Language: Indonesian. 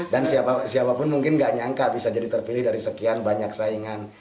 dan siapapun mungkin gak nyangka bisa jadi terpilih dari sekian banyak saingan